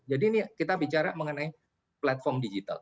jadi ini kita bicara mengenai platform digital